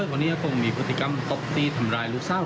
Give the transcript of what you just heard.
ตัวที่ฝุ่งมีการการที่ทำลายลูกสาว